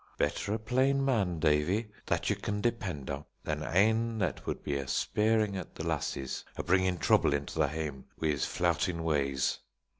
"Better a plain man, Davie, that ye can depend a' than ane that would be a speirin' at the lassies, a bringin' trouble into the hame wi' his flouting ways."